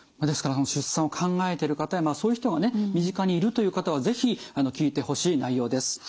ですから出産を考えてる方やそういう人がね身近にいるという方は是非聞いてほしい内容です。